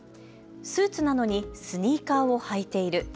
スーツなのにスニーカーを履いている。